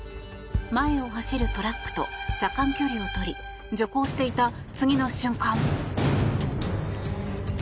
前を走るトラックと車間距離を取り徐行していた次の瞬間。